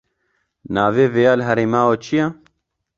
Navê vêya li herêma we çi ye?